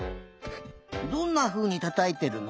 どんなふうにたたいてるの？